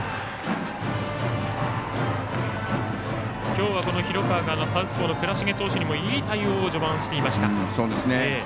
今日は広川がサウスポーの倉重投手にもいい対応を序盤していました。